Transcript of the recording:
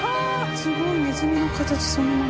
すごいネズミの形そのまま。